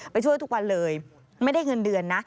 ไปช่วยทุกวันเลยไม่ได้เงินเดือนนะ